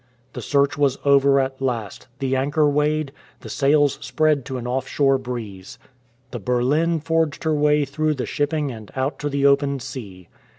The search was over at last ; the anchor weighed ; the sails spread to an off shore breeze. The Berlin forged her way through the shipping and out to the open sea.